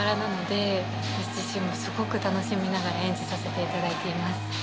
私自身もすごく楽しみながら演じさせていただいています。